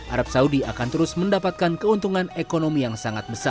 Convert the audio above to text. arab saudi akan terus mendapatkan keuntungan ekonomi yang sangat besar